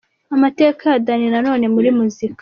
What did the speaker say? Amateka ya Danny Nanone muri muzika.